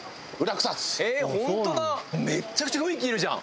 めっちゃくちゃ雰囲気いいじゃん。